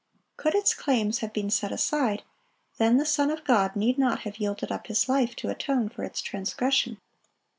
Could its claims have been set aside, then the Son of God need not have yielded up His life to atone for its transgression.